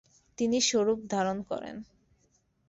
তিনি স্বরূপ ধারণ করেন।